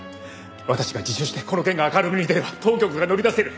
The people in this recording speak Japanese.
私が自首してこの件が明るみに出れば当局が乗り出せる。